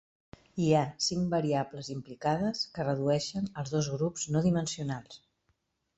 Hi ha cinc variables implicades que redueixen els dos grups no dimensionals.